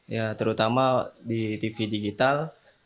ya terutama di tv digital